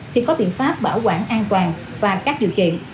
chưa có biện pháp bảo quản an toàn và các điều kiện